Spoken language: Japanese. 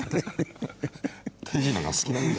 手品が好きなんだ。